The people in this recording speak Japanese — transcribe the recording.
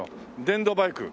電動バイク。